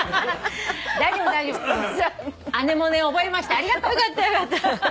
ありがとう。よかったよかった。